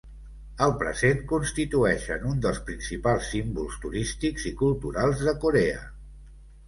Al present constitueixen un dels principals símbols turístics i culturals de Corea.